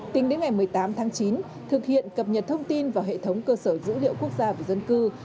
tính đến ngày một mươi tám tháng chín thực hiện cập nhật thông tin vào hệ thống cơ sở dữ liệu quốc gia về dân cư